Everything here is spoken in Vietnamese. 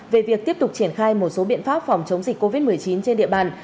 về việc tiếp tục triển khai một số biện pháp phòng chống dịch covid một mươi chín trên địa bàn